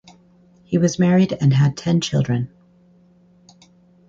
He was married and had ten children.